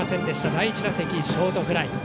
第１打席、ショートフライ。